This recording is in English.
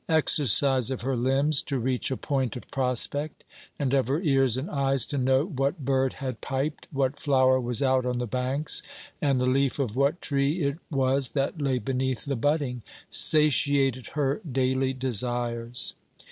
Exercise of her limbs to reach a point of prospect, and of her ears and eyes to note what bird had piped, what flower was out on the banks, and the leaf of what tree it was that lay beneath the budding, satiated her daily desires.